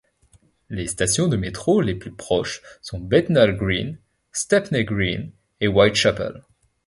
Les stations de métro les plus proches sont Bethnal Green, Stepney Green et Whitechapel.